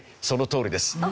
そのとおりです。